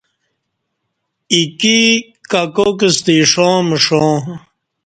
ایکی ککاک ستہ ایݜاں مݜاں